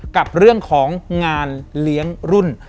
กับเรื่องของงานเลี้ยงรุ่น